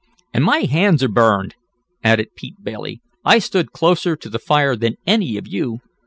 "And my hands are burned," added Pete Bailey. "I stood closer to the fire than any of you."